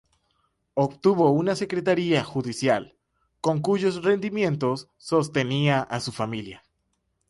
Obtuvo una Secretaria judicial, con cuyos rendimientos sostenía a su familia.